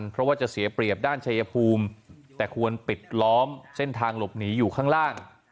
เพราะว่าจะเสียเปรียบด้านชายภูมิแต่ควรปิดล้อมเส้นทางหลบหนีอยู่ข้างล่าง